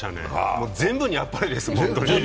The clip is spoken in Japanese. もう、全部にあっぱれです、本当に。